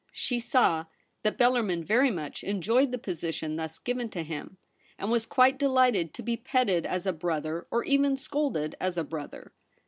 She saw that Bellarmin very much enjoyed the position thus given to him, and was quite delighted to be petted as a brother or even scolded as a brother.